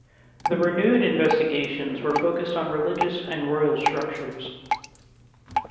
The renewed investigations were focused on religious and royal structures.